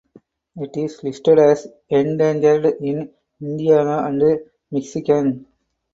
It is listed as endangered in Indiana and Michigan.